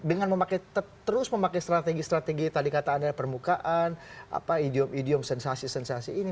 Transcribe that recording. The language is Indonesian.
dengan terus memakai strategi strategi tadi kata anda permukaan idiom idiom sensasi sensasi ini